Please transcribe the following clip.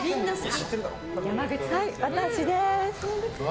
はい、私です！